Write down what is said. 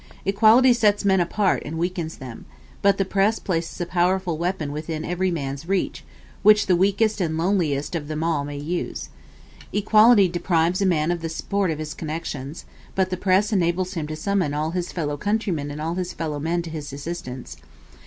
Equality sets men apart and weakens them; but the press places a powerful weapon within every man's reach, which the weakest and loneliest of them all may use. Equality deprives a man of the support of his connections; but the press enables him to summon all his fellow countrymen and all his fellow men to his assistance.